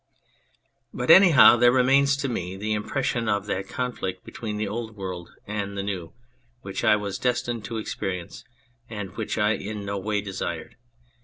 But anyhow there remains to me the impression of that conflict between the Old World and the New which I was destined to experience, and which I in no way desired.